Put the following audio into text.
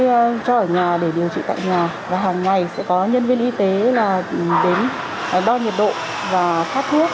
tôi cho ở nhà để điều trị tại nhà và hàng ngày sẽ có nhân viên y tế là đến đo nhiệt độ và phát thuốc